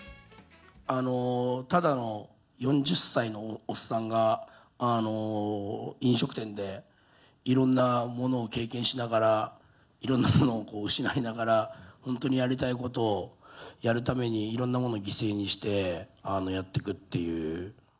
ただの４０歳のおっさんが、飲食店でいろんなものを経験しながら、いろんなものを失いながら、本当にやりたいことをやるために、いろんなものを犠牲にしてやってくっていう。